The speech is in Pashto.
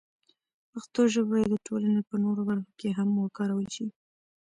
پښتو ژبه باید د ټولنې په نورو برخو کې هم وکارول شي.